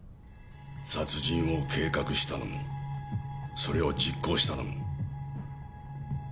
殺人を計画したのもそれを実行したのも私です。